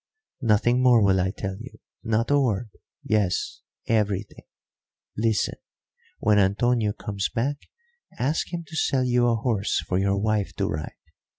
"Nothing more will I tell you not a word. Yes, everything. Listen. When Antonio comes back, ask him to sell you a horse for your wife to ride.